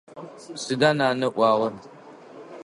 Сыда нанэ ыӏуагъэр?